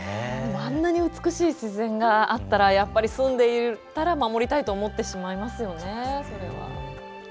あんなに美しい自然があったらやっぱり住んでいたら守りたいと思ってしまいますよね。